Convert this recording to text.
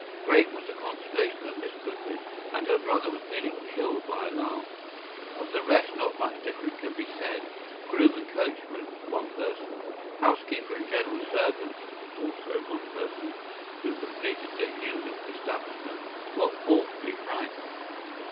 Great was the consternation of Miss Goodwin, and her brother was nearly killed by alarm. Of the rest not much different can be said. Groom and coachman (one person), housekeeper and general servant (also one person), who completed the human establishment, were awfully frightened.